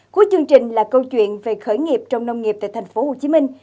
cuối chương trình là câu chuyện về khởi nghiệp trong nông nghiệp tại thành phố hồ chí minh